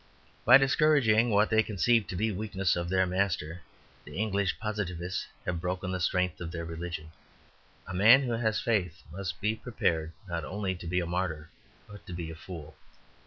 By discouraging what they conceive to be the weakness of their master, the English Positivists have broken the strength of their religion. A man who has faith must be prepared not only to be a martyr, but to be a fool.